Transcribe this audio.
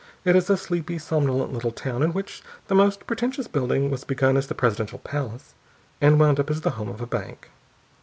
It is a sleepy, somnolent little town in which the most pretentious building was begun as the Presidential Palace and wound up as the home of a bank.